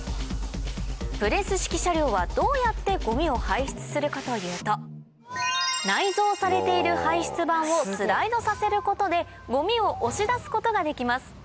プレス式車両はどうやってごみを排出するかというと内蔵されている排出板をスライドさせることでごみを押し出すことができます